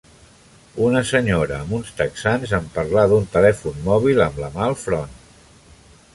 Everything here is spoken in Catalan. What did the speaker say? Una senyora amb uns texans en parlar d'un telèfon mòbil amb la mà al front